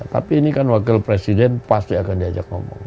tapi ini kan wakil presiden pasti akan diajak ngomong